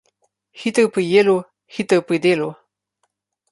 Hiter pri jelu, hiter pri delu.